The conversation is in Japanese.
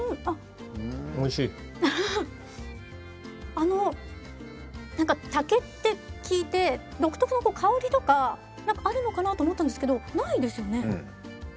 あの何か竹って聞いて独特の香りとかあるのかなと思ったんですけどないですよね。